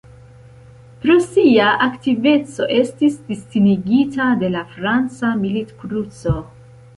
Pro sia aktiveco estis distingita de la franca Milit-Kruco.